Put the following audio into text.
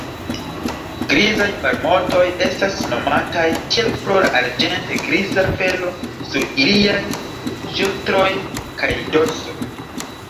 Grizaj marmotoj estas nomataj tiel pro la arĝente-griza felo sur iliaj ŝultroj kaj dorso.